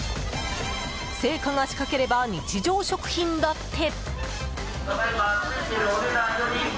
青果が仕掛ければ日常食品だって。